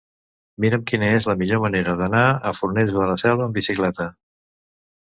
Mira'm quina és la millor manera d'anar a Fornells de la Selva amb bicicleta.